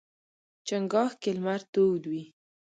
چنګاښ کې لمر تود وي.